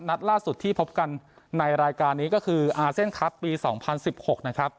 นัดล่าสุดที่พบกันในรายการนี้ก็คืออาเซ่นครับปีสองพันสิบหกนะครับ